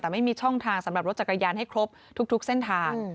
แต่ไม่มีช่องทางสำหรับรถจักรยานให้ครบทุกเส้นทาง